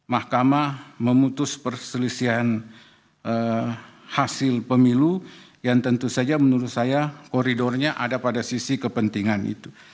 mahkamah memutus perselisihan hasil pemilu yang tentu saja menurut saya koridornya ada pada sisi kepentingan itu